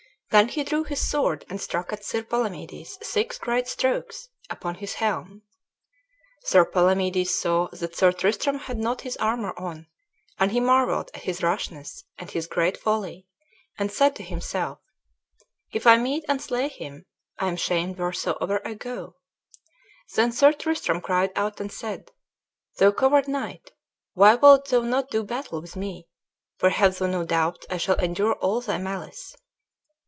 Then he drew his sword and struck at Sir Palamedes six great strokes, upon his helm. Sir Palamedes saw that Sir Tristram had not his armor on, and he marvelled at his rashness and his great folly; and said to himself, "If I meet and slay him, I am shamed wheresoever I go." Then Sir Tristram cried out and said, "Thou coward knight, why wilt thou not do battle with me? for have thou no doubt I shall endure all thy malice."